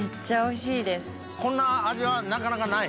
こんな味はなかなかない？